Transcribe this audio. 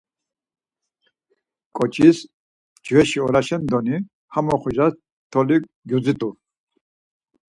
Ǩoçis mveşi oraşen doni ham oxorcas toli gyudzit̆u.